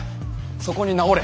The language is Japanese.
そこに直れ！